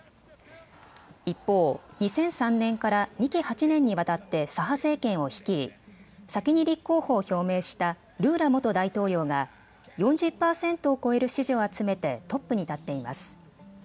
一方、２００３年から２期８年にわたって左派政権を率い先に立候補を表明したルーラ元大統領が４０％を超える支持を集めてトップに立っています。